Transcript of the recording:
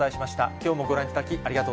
きょうもご覧いただき、ありがと